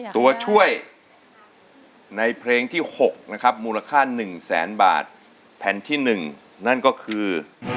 ตัวช่วยในเพลงที่๖นะครับมูลค่า๑แสนบาทแผ่นที่๑นั่นก็คือ